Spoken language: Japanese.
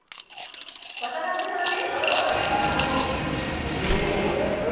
渡辺さんです。